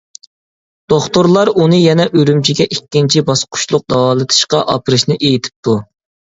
دوختۇرلار ئۇنى يەنە ئۈرۈمچىگە ئىككىنچى باسقۇچلۇق داۋالىتىشقا ئاپىرىشنى ئېيتىپتۇ.